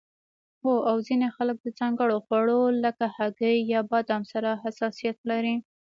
هو او ځینې خلک د ځانګړو خوړو لکه هګۍ یا بادام سره حساسیت لري